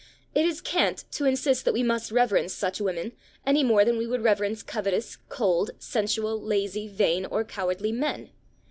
It is cant to insist that we must reverence such women, any more than we would reverence covetous, cold, sensual, lazy, vain or cowardly men.